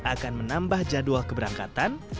akan menambah jadwal keberangkatan